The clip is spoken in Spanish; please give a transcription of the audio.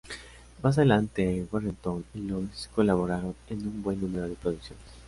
Más adelante Warrenton y Louise colaboraron en un buen número de producciones.